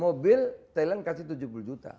mobil thailand kasih tujuh puluh juta